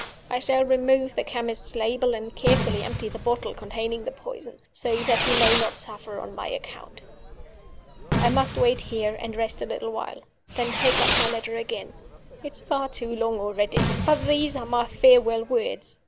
I shall remove the chemist's label, and carefully empty the bottle containing the poison, so that he may not suffer on my account. "I must wait here, and rest a little while then take up my letter again. It is far too long already. But these are my farewell words.